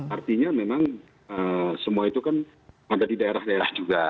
artinya memang semua itu kan ada di daerah daerah juga